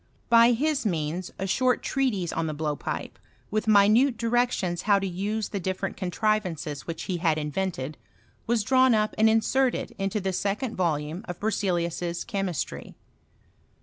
By his means a ^tort treatise on the blowpipe, with minute di rections huw to use the diSereat contrivances which lie had invented, was drawn up and inserted in the second volume of Berzeliua's Chemistry.